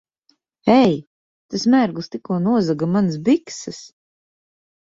Ei! Tas mērglis tikko nozaga manas bikses!